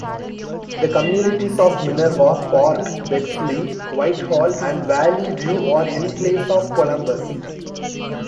The communities of Minerva Park, Bexley, Whitehall, and Valleyview are enclaves of Columbus.